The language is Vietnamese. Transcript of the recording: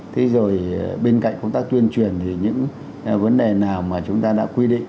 thế rồi bên cạnh công tác tuyên truyền thì những vấn đề nào mà chúng ta đã quy định